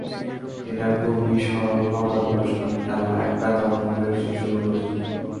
এটা খুবই সরল ক্ষমতা প্রদর্শনের খেলা, একটা দশ বছরের শিশুও বোঝে।